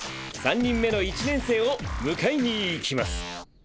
３人目の一年生を迎えに行きます。